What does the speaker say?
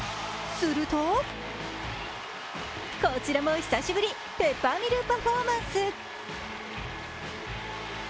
するとこちらも久しぶりペッパーミルパフォーマンス。